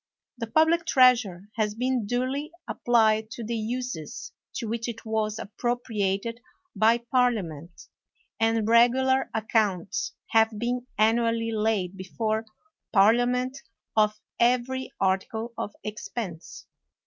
The public treasure has been duly applied to the uses to which it was appropriated by Par liament,, and regular accounts have been annually laid before Parliament, of every article of ex pense.